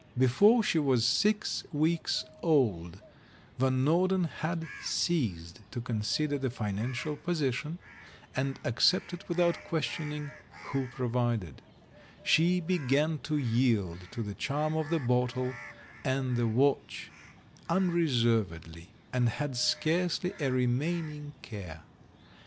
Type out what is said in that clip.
Before she was six weeks old Van Norden had ceased to consider the financial position, and ac cepted without questioning who provided ; she be gan to yield to the charm of the bottle and the watch unreservedly, and had scarcely a remaining care.